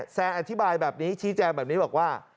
แซนอธิบายแบบนี้ชี้แจงแบบนี้บอกว่า